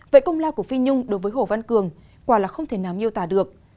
vậy công lao của phi nhung đối với hồ văn cường quả là không thể nào miêu tả được